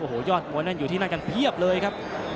โอ้โหยอดมวยนั่นอยู่ที่นั่นกันเพียบเลยครับ